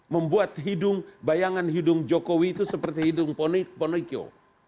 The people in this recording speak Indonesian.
membuat bayangan hidung jokowi itu seperti hidung pinocchio